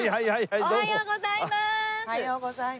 おはようございます。